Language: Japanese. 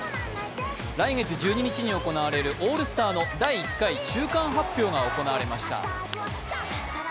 来月１２日に行われるオールスターの第１回中間発表が行われました。